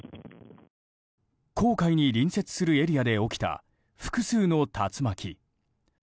黄海に隣接するエリアで起きた複数の竜巻。